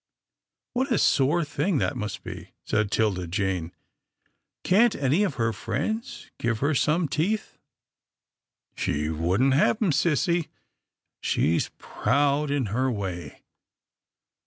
" What a sore thing that must be," said 'Tilda Jane, " can't any of her friends give her some teeth?" " She wouldn't have 'em, sissy. She's proud in her way."